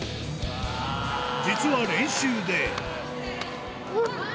実は練習でうっ！